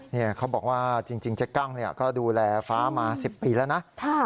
นี่เขาบอกว่าจริงเจ๊กั้งก็ดูแลฟ้ามา๑๐ปีแล้วนะ